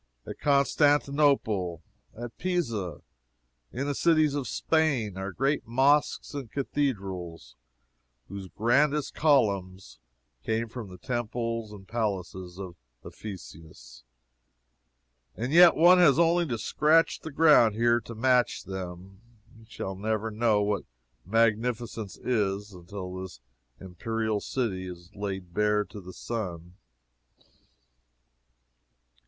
At Constantinople, at Pisa, in the cities of Spain, are great mosques and cathedrals, whose grandest columns came from the temples and palaces of Ephesus, and yet one has only to scratch the ground here to match them. We shall never know what magnificence is, until this imperial city is laid bare to the sun.